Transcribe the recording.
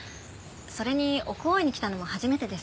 それに奥大井に来たのも初めてです。